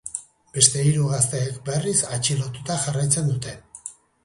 Beste hiru gazteek, berriz, atxilotuta jarraitzen dute.